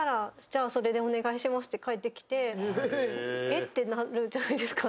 ってなるじゃないですか。